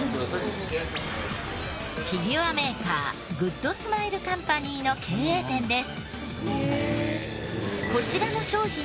フィギュアメーカーグッドスマイルカンパニーの経営店です。